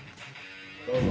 どうぞ。